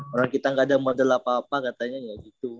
orang kita gak ada model apa apa katanya